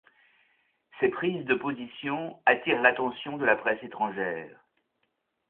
Ses prises de position attirent l'attention de la presse étrangère.